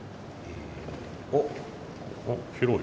おっ広い。